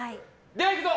ではいくぞ！